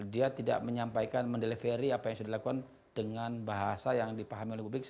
dia tidak menyampaikan mendeleveri apa yang sudah dilakukan dengan bahasa yang tidak terkait dengan kinerja